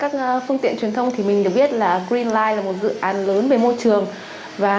hôm qua các phương tiện truyền thông